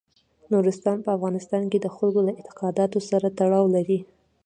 نورستان په افغانستان کې د خلکو له اعتقاداتو سره تړاو لري.